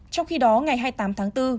trong khi đó ngày hai mươi tám tháng bốn